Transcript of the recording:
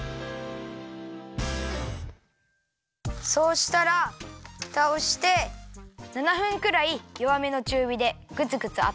そうしたらふたをして７分くらいよわめのちゅうびでグツグツあたためるよ。